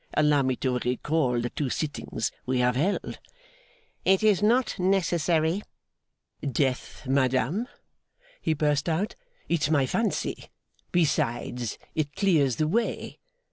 Allow me to recall the two sittings we have held.' 'It is not necessary.' 'Death, madame,' he burst out, 'it's my fancy! Besides, it clears the way.